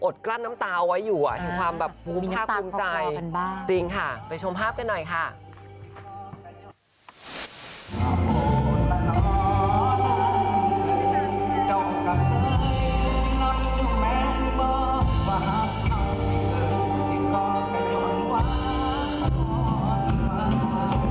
อดกลั้นน้ำตาวไว้อยู่อ่ะคือความแบบภูมิภาพภูมิใจมีน้ำตาวครอบครอบครอบกันบ้าง